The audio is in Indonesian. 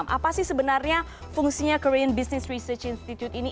apa sih sebenarnya fungsinya korean business research institute ini